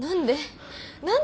何で？